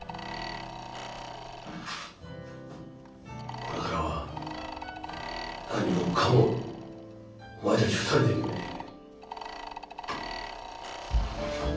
これからは何もかもお前たち２人で決めていけ。